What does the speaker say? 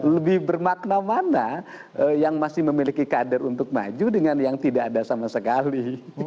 lebih bermakna mana yang masih memiliki kader untuk maju dengan yang tidak ada sama sekali